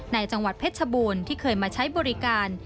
จังหวัดเพชรชบูรณ์ที่เคยมาใช้บริการ